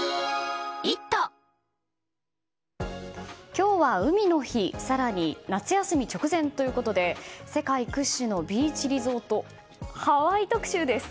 今日は海の日更に、夏休み直前ということで世界屈指のビーチリゾートハワイ特集です。